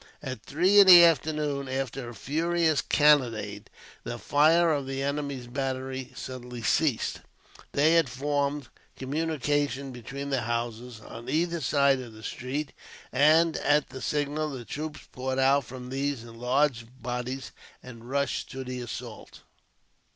At three in the afternoon, after a furious cannonade, the fire of the enemy's battery suddenly ceased. They had formed communications between the houses, on either side of the street; and, at the signal, the troops poured out from these in large bodies, and rushed to the assault.